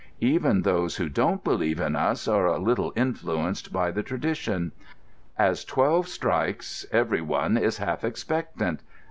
Even those who don't believe in us are a little influenced by the tradition. As twelve strikes every one is half expectant.